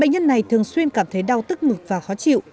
bệnh nhân này thường xuyên cảm thấy đau tức ngực và khó chịu